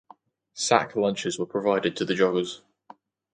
Sack lunches were provided to the loggers.